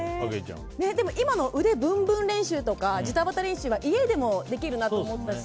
腕ブンブン練習とかジタバタ練習は家でもできるなと思ったし